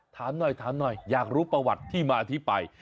ถามหน่อยถามหน่อยอยากรู้ประวัติที่มาที่ไป